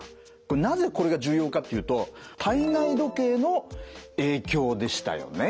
なぜこれが重要かっていうと体内時計の影響でしたよね。